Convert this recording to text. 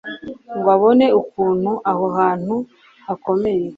ngo abone ukuntu aho hantu hakomeye